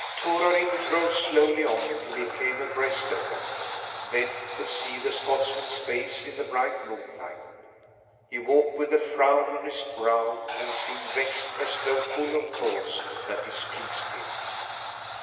Torarin drove slowly on till he came abreast of them. Then he could see the Scotsman's face in the bright moonlight. He walked with a frown on his brow and seemed vexed, as though full of thoughts that displeased him.